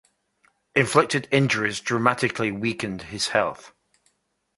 Inflicted injuries dramatically weakened his health.